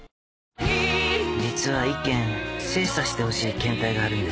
「実は一件精査してほしい検体があるんですが」